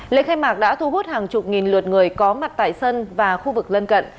lễ khai mạc đã thu hút hàng chục nghìn lượt người có mặt tại sân và khu vực lân cận